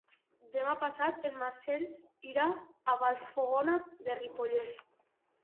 Demà passat en Marcel irà a Vallfogona de Ripollès.